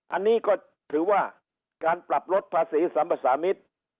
อันนี้ก็ถือว่าการปรับลดภาษีสัมภาษามิตร